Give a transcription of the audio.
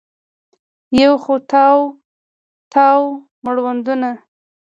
یوڅو تاو، تاو مړوندونه